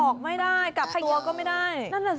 มันออกไม่ได้กลับตัวก็ไม่ได้